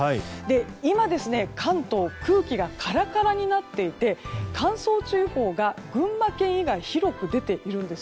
今、関東は空気がカラカラになっていて乾燥注意報がこれだけ広く出ているんです。